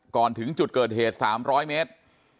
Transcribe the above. ก่อนถึงจุดเกิดเหตุ๓๐๐เมตร